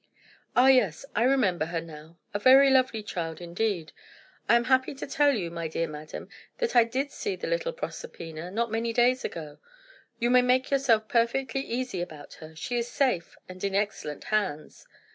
"Ah, yes, I remember her now. A very lovely child, indeed. I am happy to tell you, my dear madam, that I did see the little Proserpina not many days ago. You may make yourself perfectly easy about her. She is safe, and in excellent hands."